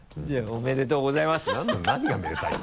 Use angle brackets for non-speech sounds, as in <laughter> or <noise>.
おめでとうございます <laughs>